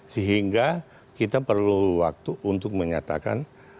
sehingga kita perlu waktu untuk menyatakan